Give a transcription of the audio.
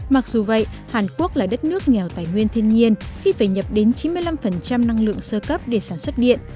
mặc dù vậy hàn quốc là đất nước nghèo tài nguyên thiên nhiên khi phải nhập đến chín mươi năm năng lượng sơ cấp để sản xuất điện